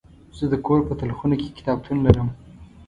زه د کور په تلخونه کې کتابتون لرم.